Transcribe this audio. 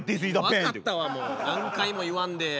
分かったわもう何回も言わんでええ。